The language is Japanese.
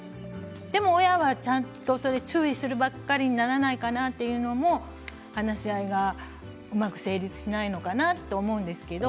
でも、親は注意するばかりにならないかなということも話し合いがうまく成立しないのかなと思うんですよね。